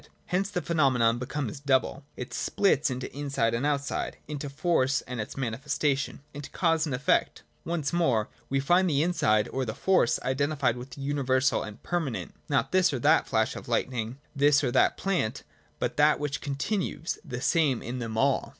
Hence the phenomenon becomes double, it splits into inside and outside, into force and its manifestation, into cause and efiect. Once more we find the inside or the force identified with the universal and permanent : not this or that flash oi lightning, this or that plant— but that which continues the same in them all.